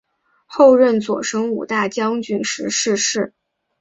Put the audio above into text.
后任左神武大将军时逝世。